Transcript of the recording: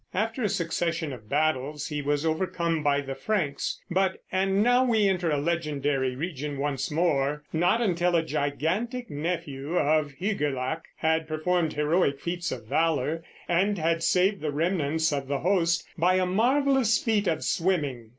After a succession of battles he was overcome by the Franks, but and now we enter a legendary region once more not until a gigantic nephew of Hygelac had performed heroic feats of valor, and had saved the remnants of the host by a marvelous feat of swimming.